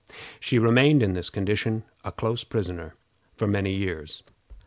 She remained in this condition, a close prisoner, for many years.